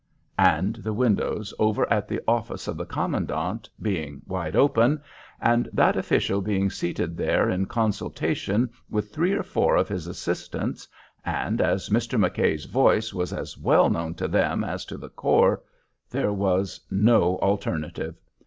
And the windows over at the office of the commandant being wide open, and that official being seated there in consultation with three or four of his assistants, and as Mr. McKay's voice was as well known to them as to the corps, there was no alternative.